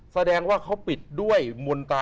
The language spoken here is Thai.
แสดงว่าเขาปิดด้วยมนตา